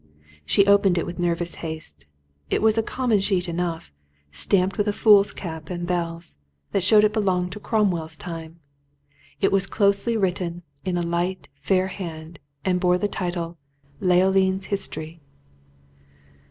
She opened it with nervous haste; it was a common sheet enough, stamped with fool's cap and bells, that showed it belonged to Cromwell's time. It was closely written, in a light, fair hand, and bore the title "Leoline's History."